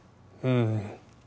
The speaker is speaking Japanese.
うん。